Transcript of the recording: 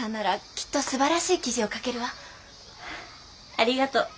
ありがとう。